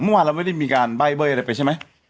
เมื่อวานเราไม่ได้มีการใบ้เบิ้ยอะไรไปใช่ไหม